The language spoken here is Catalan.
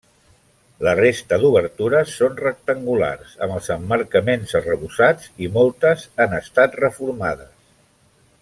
La resta d'obertures són rectangulars, amb els emmarcaments arrebossats i moltes han estat reformades.